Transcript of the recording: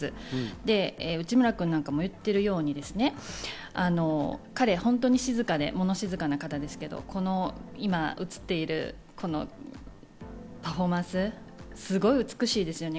で、内村君なんかも言ってるように、彼、本当に静かで、物静かな方ですけど、今、映っているこのパフォーマンス、すごい美しいですよね。